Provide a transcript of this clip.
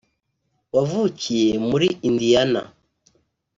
wavukiye mu muri Indiana